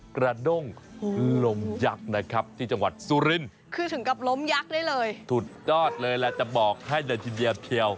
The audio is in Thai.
กระด้งลมยักษ์นะครับที่จังหวัดสุรินคือถึงกับล้มยักษ์ได้เลยสุดยอดเลยแหละจะบอกให้เลยทีเดียวเทียว